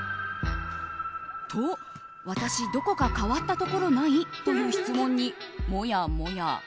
と、私どこか変わったところない？という質問に、もやもや。